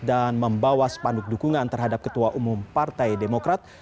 dan membawas panduk dukungan terhadap ketua umum partai demokrat